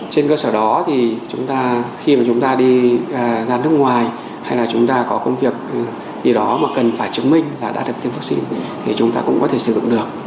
trên cơ sở đó thì chúng ta khi mà chúng ta đi ra nước ngoài hay là chúng ta có công việc gì đó mà cần phải chứng minh là đã được tiêm vaccine thì chúng ta cũng có thể sử dụng được